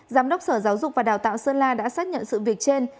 giám đốc sở giáo dục và đào tạo sơn la đã xác nhận sự việc trên